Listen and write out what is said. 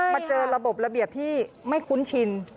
เจอระบบระเบียบที่ไม่คุ้นชิน